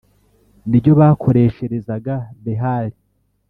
nibyo bakoresherezaga Behali.